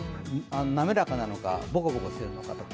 滑らかなのか、ボコボコしているのかとか。